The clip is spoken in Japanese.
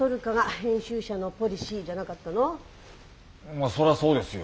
まあそりゃそうですよ。